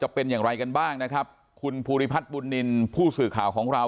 เป็นอย่างไรกันบ้างนะครับคุณภูริพัฒน์บุญนินทร์ผู้สื่อข่าวของเรา